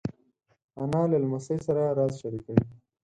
انا له لمسۍ سره راز شریکوي